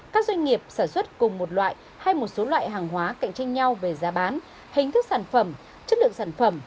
các doanh nghiệp sản xuất cùng một loại hay một số loại hàng hóa cạnh tranh nhau về giá bán hình thức sản phẩm chất lượng sản phẩm